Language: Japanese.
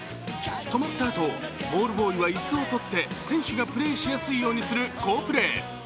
止まったあと、ボールボーイは椅子を取って選手がプレーしやすいようにする好プレー。